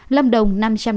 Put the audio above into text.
lâm đồng năm trăm linh năm